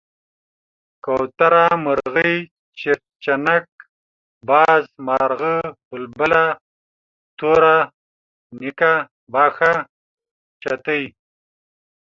کوتره، مرغۍ، چيرچيڼک، باز، مارغه ،بلبله، توره ڼکه، باښه، چتی،